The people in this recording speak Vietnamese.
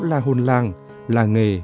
là hôn làng là nghề